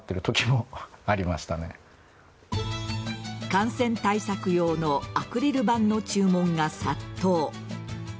感染対策用のアクリル板の注文が殺到。